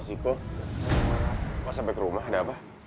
mas iko mas sama ke rumah ada apa